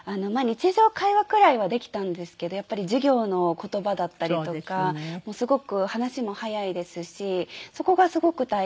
日常会話くらいはできたんですけどやっぱり授業の言葉だったりとかもうすごく話しも速いですしそこがすごく大変で。